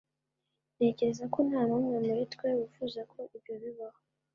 ntekereza ko nta n'umwe muri twe wifuza ko ibyo bibaho